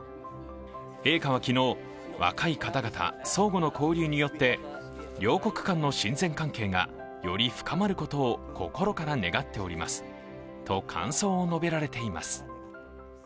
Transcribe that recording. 陛下は昨日、若い方々相互の交流によって、両国間の親善関係がより深まることを心から願っておりますと感想を述べられています。